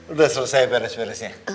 udah selesai beres beresnya